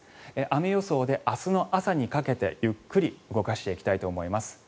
雨予想で明日の朝にかけてゆっくり動かしていきたいと思います。